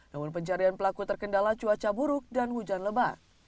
namun pencarian pelaku terkendala cuaca buruk dan hujan lebat